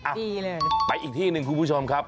ดีเลยไปอีกที่หนึ่งคุณผู้ชมครับ